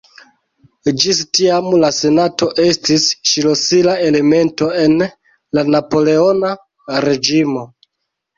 Ĝis tiam la Senato estis ŝlosila elemento en la Napoleona reĝimo.